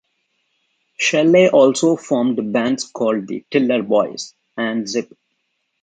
Shelley also formed bands called The Tiller Boys, and Zip.